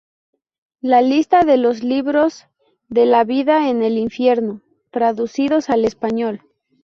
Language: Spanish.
La lista de los libros de "La vida en el infierno" traducidos al español.